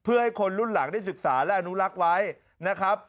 เพื่อให้คนรุ่นหลังได้ศึกษาและอนุรักษ์ไว้นะครับ